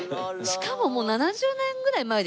しかももう７０年ぐらい前ですよ。